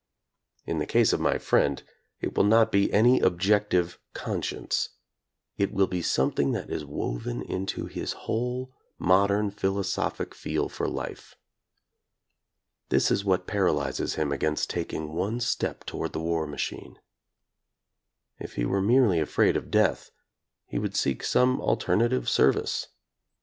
In the case of my friend, it will not be any objective "conscience." It will be something that is woven into his whole modern philosophic feel for life. This is what paralyzes him against taking one step toward the war machine. If he were merely afraid of death, he would seek some alternative service.